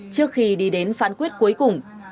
trước khi đi đến phán quyết cuối cùng